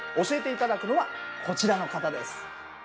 教えて頂くのはこちらの方です。